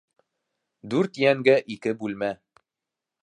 Дүрт йәнгә ике бүлмә.